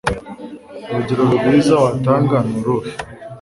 Urugero rwiza watanga ni uruhe